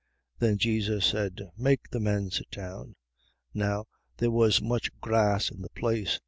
Then Jesus said: Make the men sit down. Now, there was much grass in the place.